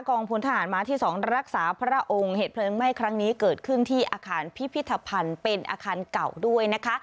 พลทหารมาที่๒รักษาพระองค์เหตุเพลิงไหม้ครั้งนี้เกิดขึ้นที่อาคารพิพิธภัณฑ์เป็นอาคารเก่าด้วยนะคะ